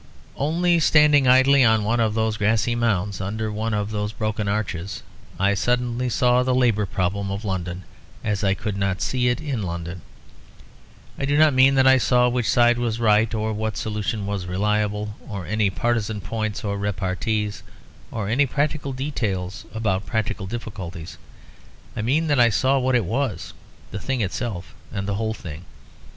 Only standing idly on one of those grassy mounds under one of those broken arches, I suddenly saw the Labour problem of London, as I could not see it in London. I do not mean that I saw which side was right, or what solution was reliable, or any partisan points or repartees, or any practical details about practical difficulties. I mean that I saw what it was; the thing itself and the whole thing.